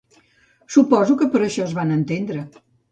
Suposo que per això es van entendre.